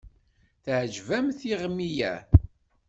Teɛǧeb-am tiɣmi-ya?